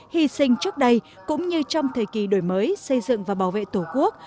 hy sinh trước đây cũng như trong thời kỳ đổi mới xây dựng và bảo vệ tổ quốc